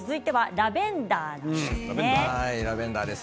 ラベンダーです。